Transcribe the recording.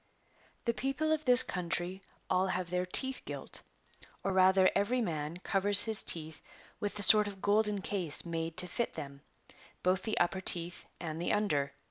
The people of this country all have their teeth gilt ; or rather every man covers his teeth with a sort of golden case made to fit them, both the upper teeth and the under.